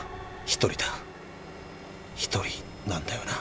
一人だ一人なんだよな。